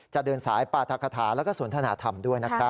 เดินสายปราธกคาถาแล้วก็สนทนาธรรมด้วยนะครับ